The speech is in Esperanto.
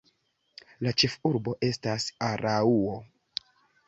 La ĉefurbo estas Araŭo.